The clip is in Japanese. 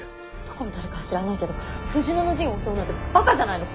どこの誰かは知らないけど富士野の陣を襲うなんてばかじゃないの。